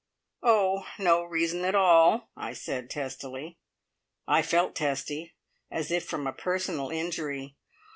"Oh, no reason at all!" I said testily. I felt testy, as if from a personal injury.